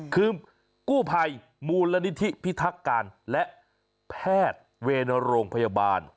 คือกู้ภัยมูลนิธิพิทักการและแพทย์เวรโรงพยาบาล